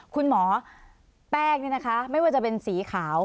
คุณแม่แป้งนี่นะคะไม่ว่าจะเป็นสีขาว